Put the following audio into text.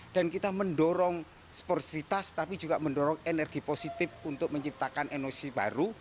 dan kita mendorong sportifitas tapi juga mendorong energi positif untuk menciptakan energi baru